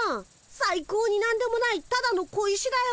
さい高になんでもないただの小石だよ。